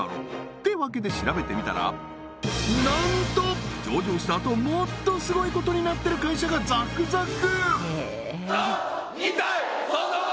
てわけで調べてみたらなんと上場したあともっとスゴいことになってる会社がザクザク！